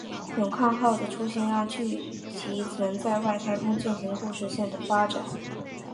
勇抗号的出现让剧集能在外太空进行故事线的发展。